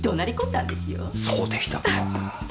そうでしたか。